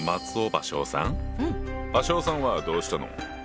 芭蕉さんはどうしたの？